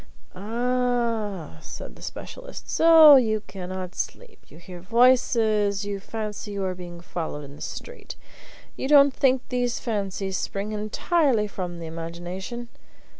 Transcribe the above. "Ah!" said the specialist; "so you cannot sleep; you hear voices; you fancy you are being followed in the street. You don't think these fancies spring entirely from the imagination?